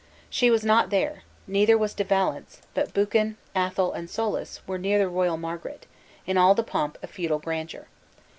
She was not there; neither was De Valence; but Buchan, Athol, and Soulis, were near the royal Margaret; in all the pomp of feudal grandeur.